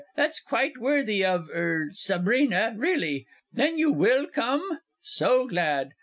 That's quite worthy of er Sabrina, really! Then you will come? So glad.